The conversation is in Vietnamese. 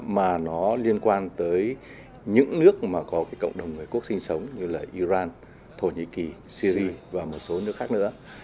mà nó liên quan tới những nước mà có cái cộng đồng người quốc sinh sống như là iran thổ nhĩ kỳ syri và một số nước khác nữa